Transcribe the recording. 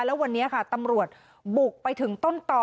แล้ววันนี้ค่ะตำรวจบุกไปถึงต้นต่อ